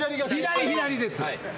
左左です。